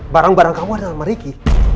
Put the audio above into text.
barang barang kamu ada sama riki